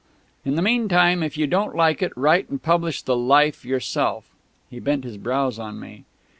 In the meantime, if you don't like it, write and publish the 'Life' yourself." He bent his brows on me.